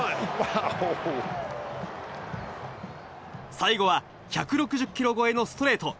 最後は１６０キロ超えのストレート。